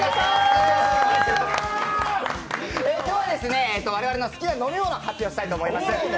今日は我々の好きな飲み物、発表したいと思います。